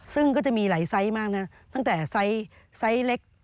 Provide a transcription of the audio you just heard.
ซึ่งก็จะมีหลายไซส์มากนะตั้งแต่ไซส์เล็ก